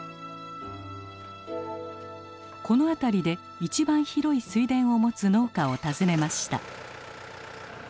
この辺りで一番広い水田を持つ農家を訪ねました。